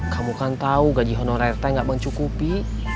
kamu kan tahu gaji honorer t gak mencukupi